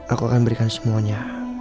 aku akan berikan semuanya